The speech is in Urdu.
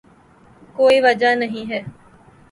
کوئی وجہ نہیں ہے۔